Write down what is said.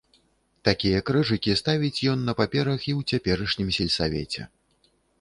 Такія крыжыкі ставіць ён на паперах і ў цяперашнім сельсавеце.